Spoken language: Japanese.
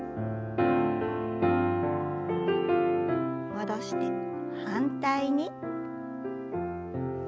戻して反対に。